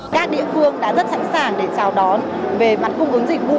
các địa phương đã rất sẵn sàng để chào đón về mặt cung ứng dịch vụ